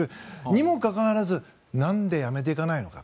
にもかかわらずなんでやめていかないのか。